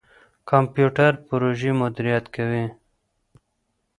کمپيوټر پروژې مديريت کوي.